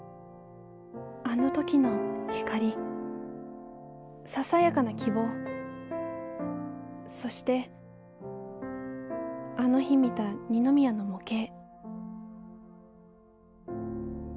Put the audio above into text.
あの時の光ささやかな希望そしてあの日見た二宮の模型